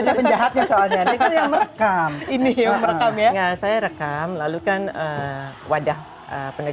yang jahatnya soalnya ini yang merekam ini yang merekam ya saya rekam lalu kan wadah pendidik